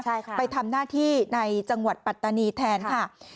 ใช่ค่ะไปทำหน้าที่ในจังหวัดปัตตานีแทนค่ะ